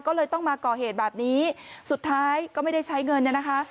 ก็เลยต้องมาก่อเหตุแบบนี้สุดท้ายก็ไม่ได้ใช้เงินเนี่ยนะคะ